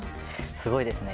すごいですね。